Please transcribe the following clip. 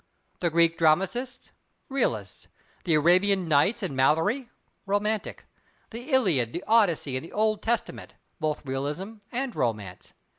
The Greek dramatists—realists. The Arabian Nights and Malory romantic. The Iliad, the Odyssey, and the Old Testament, both realism and romance.